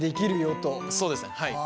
そうですねはい。